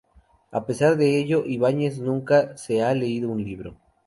A pesar de ello, Ibáñez nunca se ha leído el libro.